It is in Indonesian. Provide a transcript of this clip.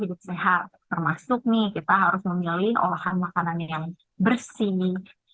yang pertama ialah pola makan teratur dan makan makanan yang tersebut